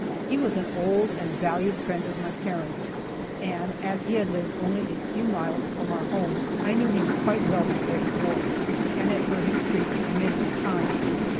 He was an old and valued friend of my parents, and, as he had lived only a few miles from our home, I knew him quite well before the war, and had heard him preach many a time.